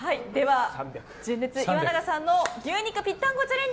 純烈、岩永さんの牛肉ぴったんこチャレンジ